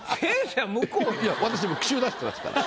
私も句集出してますから。